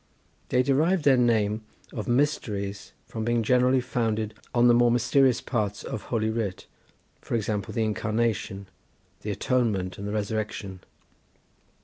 They derived their name of Mysteries from being generally founded on the more mysterious parts of Holy Writ—for example, the Incarnation, the Atonement and the Resurrection.